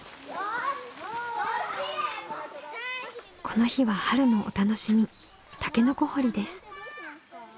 この日は春のお楽しみタケノコ掘りです。